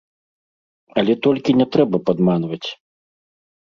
Але толькі не трэба падманваць.